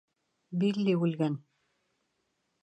— Билли үлгән!